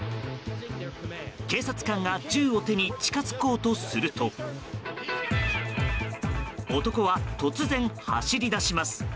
警察官が銃を手に近づこうとすると男は突然、走り出します。